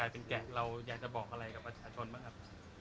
เป็นแก่เรายังจะบอกอะไรกับประชาชนป่ะครับ